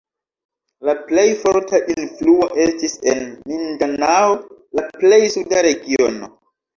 La plej forta influo estis en Mindanao, la plej suda regiono.